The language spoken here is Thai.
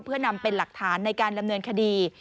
เพื่อนำเป็นหลักฐานในการดำเนินคดี